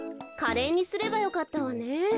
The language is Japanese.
カレーにすればよかったわね。